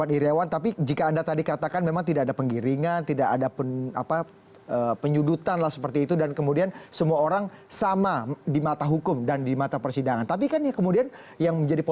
menilainya seperti itu kak anda melihatnya gimana